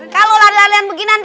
kalo istirahat jangan begini caranya